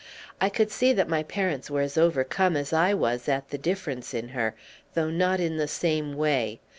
I could see that my parents were as overcome as I was at the difference in her, though not in the same way.